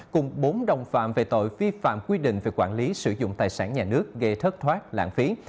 cùng bốn đồng phạm về tội vi phạm quy định về quản lý sử dụng tài sản nhà nước gây thất thoát lãng phí